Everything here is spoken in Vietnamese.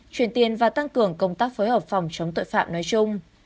truyền tiền và tăng cường công tác phối hợp phòng chống tội phạm nói chung